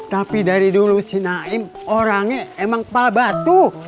tapi dari dulu si naim orangnya emang pal batu